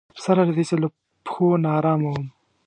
سره له دې چې له پښو ناارامه وم.